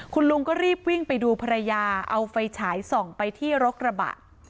คุณลุงก็รีบวิ่งไปดูภรรยาเอาไฟฉายส่องไปที่รถกระบะ